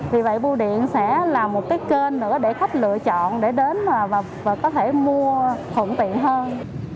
vì vậy bưu điện sẽ là một cái kênh nữa để khách lựa chọn để đến và có thể mua thuận tiện hơn